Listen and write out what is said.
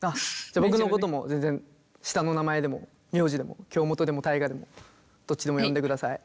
じゃ僕のことも全然下の名前でも名字でも京本でも大我でもどっちでも呼んでください。